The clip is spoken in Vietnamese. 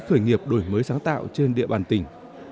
khởi nghiệp đổi mới sáng tạo trên địa bàn tỉnh